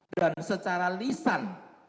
dan secara lisan